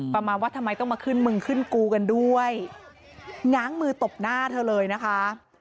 ประมาณว่าทำไมต้องมาขึ้นมึงขึ้นกูกันด้วยง้างมือตบหน้าเธอเลยนะคะ